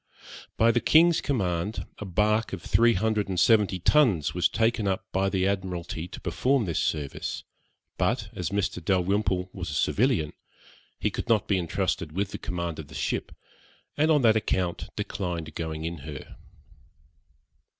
By the king's command, a bark of three hundred and seventy tons was taken up by the Admiralty to perform this service, but, as Mr. Dalrymple was a civilian, he could not be entrusted with the command of the ship, and on that account declined going in her.